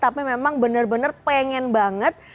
tapi memang benar benar pengen banget